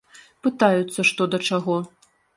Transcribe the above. Пытаюцца, што да чаго.